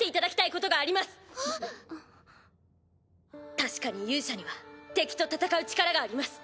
確かに勇者には敵と戦う力があります。